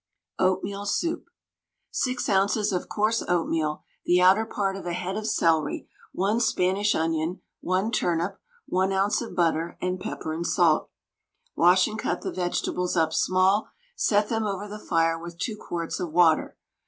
OATMEAL SOUP. 6 oz. of coarse oatmeal, the outer part of a head of celery, 1 Spanish onion, 1 turnip, 1 oz. of butter, and pepper and salt. Wash and cut the vegetables up small, set them over the fire with 2 quarts of water.